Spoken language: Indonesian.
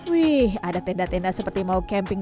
wih ada tenda tenda seperti mau camping